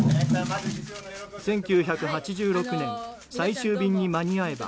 １９８６年「最終便に間に合えば」